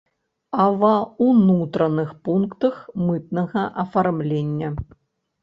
А ва ўнутраных пунктах мытнага афармлення!